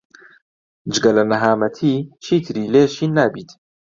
جگە لە نەهامەتی چیتری لێ شین نابیت.